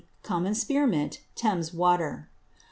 Common Spear Mint, Thames water.